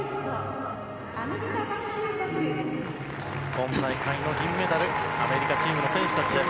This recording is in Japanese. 今大会の銀メダルアメリカチームの選手たちです。